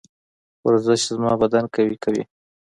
ورزش زما بدن قوي کوي.